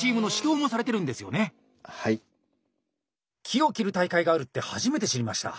木を切る大会があるって初めて知りました！